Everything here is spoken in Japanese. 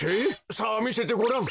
さあみせてごらん！